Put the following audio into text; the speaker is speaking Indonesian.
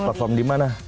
perform di mana